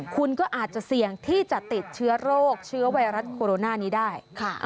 คุณก็อาจจะเสี่ยงที่จะติดเชื้อโรคเชื้อไวรัสโคโรนานี้ได้